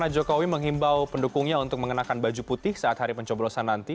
jokowi menghimbau pendukungnya untuk mengenakan baju putih saat hari pencoblosan nanti